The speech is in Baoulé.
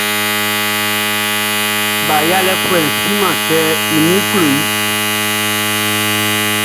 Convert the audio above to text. Ba yalɛfuɛʼn siman kɛ i ninʼn klo i.